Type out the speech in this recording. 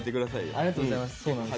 ありがとうございます。